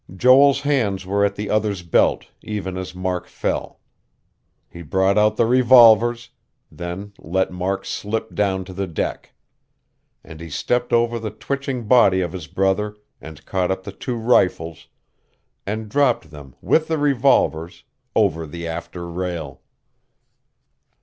Joel's hands were at the other's belt, even as Mark fell. He brought out the revolvers, then let Mark slip down to the deck; and he stepped over the twitching body of his brother, and caught up the two rifles, and dropped them, with the revolvers, over the after rail.